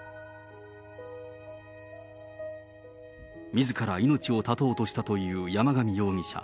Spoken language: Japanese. みずから命を絶とうとしたという山上容疑者。